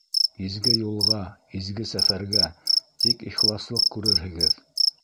Изге юлға, изге сәфәргә Тик ихласлыҡ күрерһегеҙ.